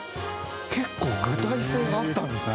結構具体性があったんですね。